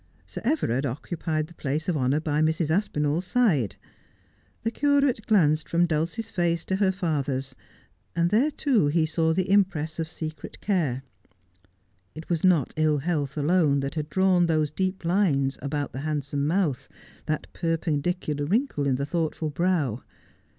Sir Everard occupied the place of honour by Mrs. Aspinall's side. The curate glanced from Dulcie's face to her father's, and there too he saw the impress of secret care. It was not ill health alone that had drawn those deep lines about the hand some mouth, that perpendicular wrinkle in the thoughtful brow.